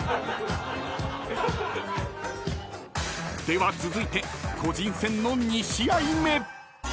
［では続いて個人戦の２試合目］